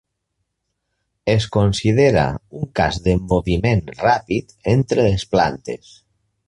Es considera un cas de moviment ràpid entre les plantes.